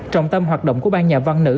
trọng tâm hoạt động của ban nhà văn nữ